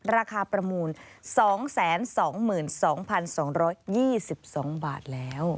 ราคาประมูล๒๒บาทแล้ว